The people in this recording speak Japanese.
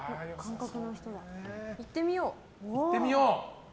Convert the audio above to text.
いってみよう！